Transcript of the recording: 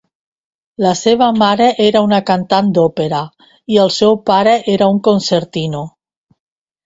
La seva mare era una cantant d'òpera i el seu pare era un concertino.